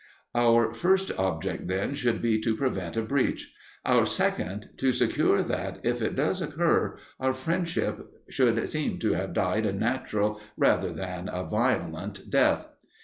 Our first object, then, should be to prevent a breach; our second, to secure that, if it does occur, our friendship should seem to have died a natural rather than a violent death.